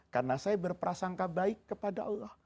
karena saya berprasangka baik kepada allah